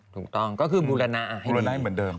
ถูกต้องก็คือบูรณาให้ดี